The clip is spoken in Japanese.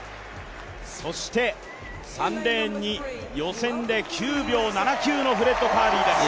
そして、３レーンに予選で９秒７９のフレッド・カーリーです。